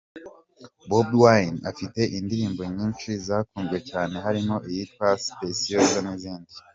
Bob Wine afite indirimbo nyinshi zakunzwe cyane harimo iyitwa Specioza n’ izindi.